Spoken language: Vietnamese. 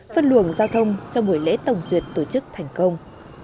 phân luồng giao thông cho buổi lễ tổng duyệt tổ chức thành công